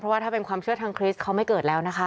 ว่าถ้าเป็นความเชื่อทางคริสต์เขาไม่เกิดแล้วนะคะ